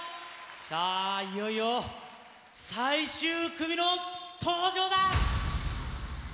さあ、いよいよ最終組の登場だ。